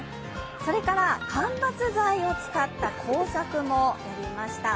それから、間伐材を使った工作もやりました。